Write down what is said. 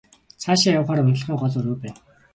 Цаашаа явахаар унтлагын гол өрөө байна.